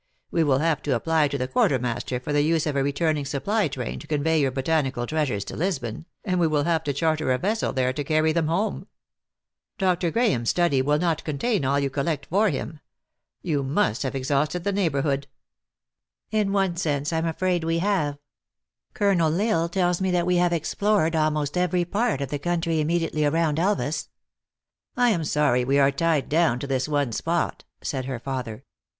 We will have to apply to the quartermaster for the use of a returning supply^ train to convey your botanical treasures to Lisbon, and we will have to charter a vessel there to carry them home. Dr. Graham s study will not contain all 112 THE ACTRESS IN HIGH LIFE. yon collect for him. You must have exhausted the n ei jhb orh oo d .* "In one sense I am afraid we have. Colonel L Isle tells me that we have explored almost every part of the country immediately around Elvas." " I am sorry we are tied clown to this one spot," said her father.